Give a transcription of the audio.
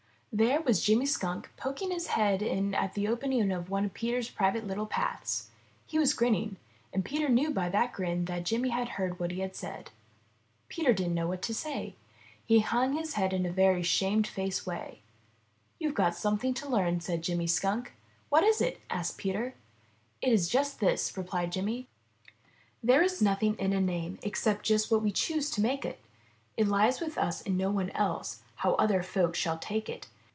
There was Jimmy Skunk poking his head in at the opening of one of Peter's private little paths. He was grinning, and Peter knew by that grin that Jimmy had heard what he had said. Peter didn't know what to say. He hung his head in a very shame faced way. ''You've got something to learn," said Jimmy Skunk. "What is it?" asked Peter. "It's just this," re plied Jimmy. "There's nothing in a name except IN THE NURSERY Just what we choose to make it. It lies with us and no one else How other folks shall take it.